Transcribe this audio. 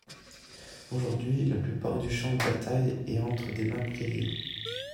Aujourd'hui, la plupart du champ de bataille est entre des mains privées.